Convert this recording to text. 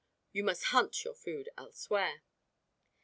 You must "hunt" your food elsewhere.